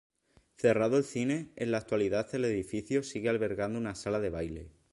Cerrado el cine, en la actualidad el edificio sigue albergando una sala de baile.